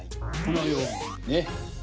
このようにね。